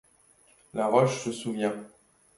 La roche se souvient.